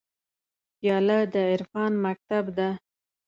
پیاله د عرفان مکتب ده.